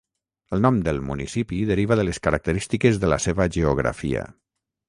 El nom del municipi deriva de les característiques de la seva geografia.